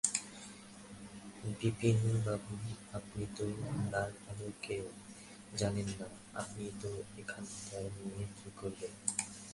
বিপিনবাবু, আপনি তো নীরবালাকে জানেন না, আপনি এ খাতাখানা নিয়ে কী করবেন?